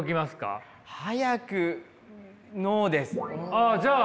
あじゃあ。